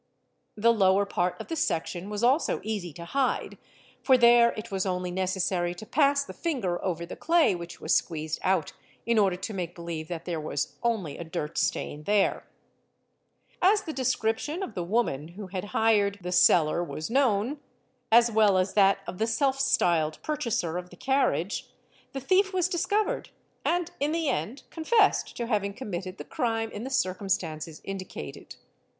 . The lower part of the section was also easy to hide for there it was only necessary to pass the finger over the clay which was squeezed out ine order to make believe that there was only a dirt stain there. EC ENTERING BY THE DOOR 733 As the description of the woman who had hired the cellar was known, as well as that of the self styled purchaser of the carriage, the thief was discovered and in the end confessed to having committed the crime in the circumstances indicated.